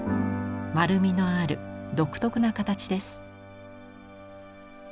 丸みのある独特な形です。